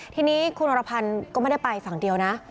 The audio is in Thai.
ทีนี้คุณอรพันธ์ก็ไม่ได้ไปฝั่งเดียวนะ